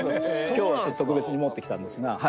今日は特別に持ってきたんですが。